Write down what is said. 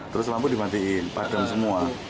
terus lampu dimatiin padam semua